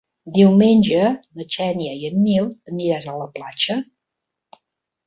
Diumenge na Xènia i en Nil aniran a la platja.